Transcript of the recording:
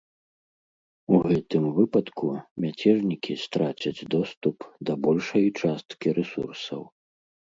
У гэтым выпадку мяцежнікі страцяць доступ да большай часткі рэсурсаў.